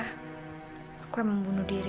aku yang membunuh diri